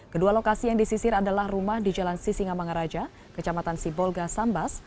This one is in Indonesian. kedua lokasi yang disisir adalah rumah di jalan sisingamangaraja kecamatan sibolga sambas